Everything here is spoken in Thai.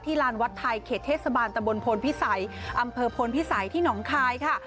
ลานวัดไทยเขตเทศบาลตำบลพลพิสัยอำเภอพลพิสัยที่หนองคายค่ะ